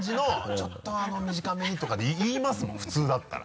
「ちょっとあの短めに」とかで言いますもん普通だったら。